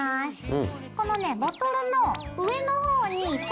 うん。